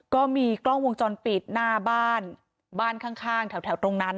ก็มีกล้องวงจรปิดหน้าบ้านบ้านข้างแถวตรงนั้น